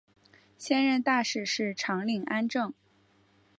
现任大使是长岭安政。